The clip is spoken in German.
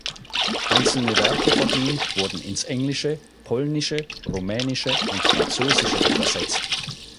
Einzelne Werke von ihm wurden ins Englische, Polnische, Rumänische und Französische übersetzt.